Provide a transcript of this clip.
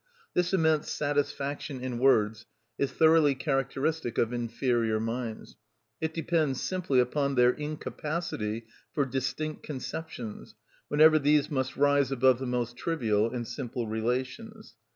This immense satisfaction in words is thoroughly characteristic of inferior minds. It depends simply upon their incapacity for distinct conceptions, whenever these must rise above the most trivial and simple relations.